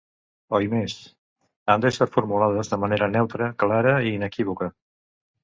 Oimés, han d'ésser formulades de manera neutra, clara i inequívoca.